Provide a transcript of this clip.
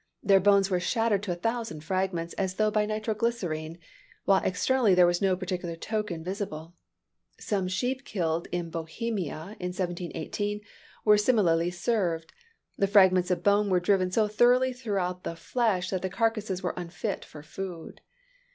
Their bones were shattered to a thousand fragments, as though by nitro glycerine; while externally there was no particular token visible. Some sheep killed in Bohemia, in 1718, were similarly served. The fragments of bone were driven so thoroughly throughout the flesh that the carcasses were unfit for food.